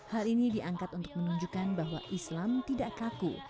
hal ini diangkat untuk menunjukkan bahwa islam tidak kaku